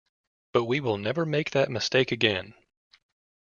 But we will never make that mistake again.